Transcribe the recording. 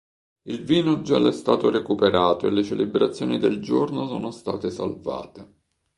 Il vinogel è stato recuperato e le celebrazioni del giorno sono state salvate.